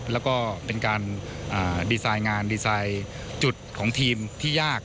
แล้วก็เป็นการดีไซน์งานดีไซน์จุดของทีมที่ยาก